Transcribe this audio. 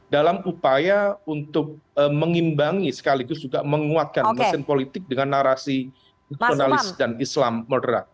dalam upaya untuk mengimbangi sekaligus juga menguatkan mesin politik dengan narasi nasionalis dan islam moderat